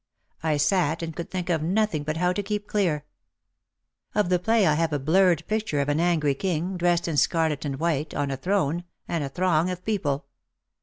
I sat and could think of nothing but how to keep clear. Of the play I have a blurred picture of an angry king, dressed in scarlet and white, on a throne, and a throng of people.